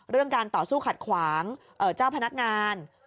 การต่อสู้ขัดขวางเจ้าพนักงาน